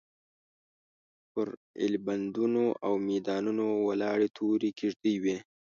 پر ایلبندونو او میدانونو ولاړې تورې کېږدۍ وې.